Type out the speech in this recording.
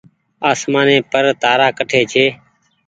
آسمآني پر تآرآ ڪٺي ڇي۔